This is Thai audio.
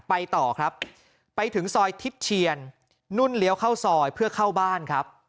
ไปต่อครับไปถึงซอยทิศเชียนนุ่นเลี้ยวเข้าซอยเพื่อเข้าบ้านครับ